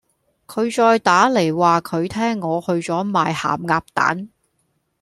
佢再打黎話佢聽我去左賣咸鴨蛋